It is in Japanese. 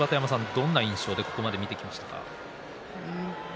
どんな印象で見てきましたか。